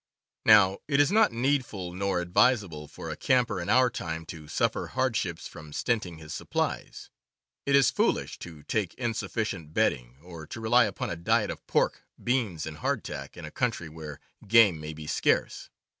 Now it is not needful nor advisable for a camper in our time to suffer hardships from stinting his supplies. It is foolish to take insufficient bedding, or to rely upon a diet of pork, beans, and hardtack, in a country where game may be scarce.